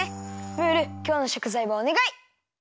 ムールきょうのしょくざいをおねがい！